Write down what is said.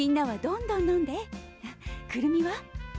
くるみは？